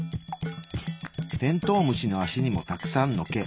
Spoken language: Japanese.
テントウムシの足にもたくさんの毛。